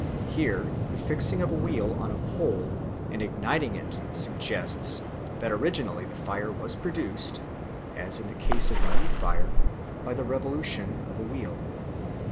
Here the fixing of a wheel on a pole and igniting it suggests that originally the fire was produced, as in the case of the need fire, by the revolution of a wheel.